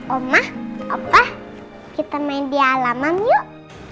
omah apa kita main di alaman yuk